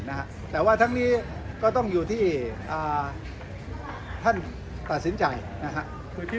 นะฮะแต่ว่าทั้งนี้ก็ต้องอยู่ที่อ่าท่านตัดสินใจนะฮะ